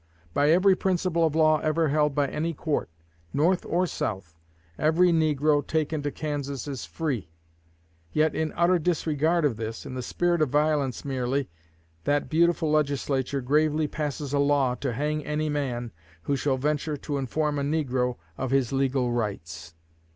By every principle of law ever held by any court, North or South, every negro taken to Kansas is free; yet in utter disregard of this in the spirit of violence merely that beautiful Legislature gravely passes a law to hang any man who shall venture to inform a negro of his legal rights.